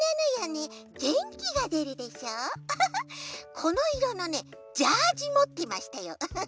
このいろのねジャージもってましたよウフフ。